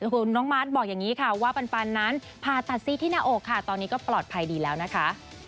คุณน้องมาร์ทบอกอย่างนี้ค่ะว่าปันนั้นผ่าตัดซีที่หน้าอกค่ะตอนนี้ก็ปลอดภัยดีแล้วนะคะ